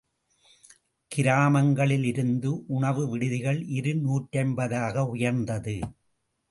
கிராமங்களில் இருந்த உணவு விடுதிகள் இரு நூற்றைம்பதாக உயர்ந்தது.